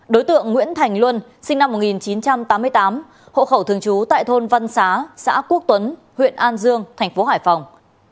đối tượng nguyễn thành luân sinh năm một nghìn chín trăm tám mươi tám hộ khẩu thường trú tại thôn văn xá xã quốc tuấn huyện an dương thành phố hải phòng